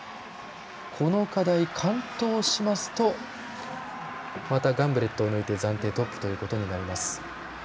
この課題、完登しますとまたガンブレットを抜いて暫定トップということになります。